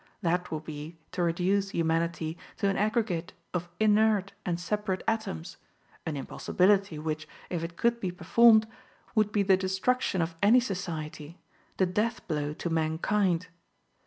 That would be to reduce humanity to an aggregate of inert and separate atoms; an impossibility which, if it could be performed, would be the destruction of any society, the death blow to mankind.